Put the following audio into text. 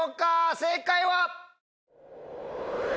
正解は？